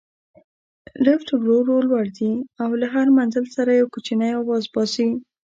لفټ ورو ورو لوړ ځي او له هر منزل سره یو کوچنی اواز باسي.